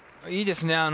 いいですね。